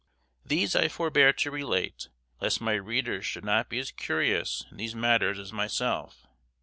These I forbear to relate, lest my readers should not be as curious in these matters as myself.